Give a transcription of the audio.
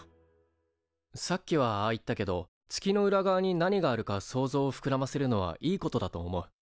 さっきはああ言ったけど月の裏側に何があるか想像をふくらませるのはいいことだと思う。